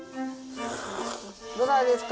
どないですか？